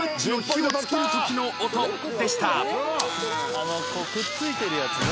「あのこうくっついてるやつね」